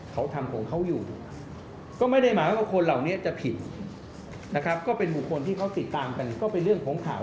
เขาทำของเขาอยู่ก็ไม่ได้หมายว่าคนเหล่านี้จะผิดนะครับก็เป็นบุคคลที่เขาติดตามกันก็เป็นเรื่องของข่าว